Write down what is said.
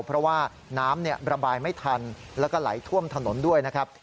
เพราะว่าน้ำระบายไม่ทันแล้วก็ไหลท่วมถนนด้วยนะครับ